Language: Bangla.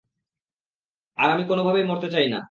আর আমি, কোনোভাবেই মরতে চাই না।